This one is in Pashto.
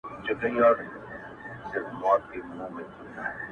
چي د زرکي پر دانه باندي نظر سو -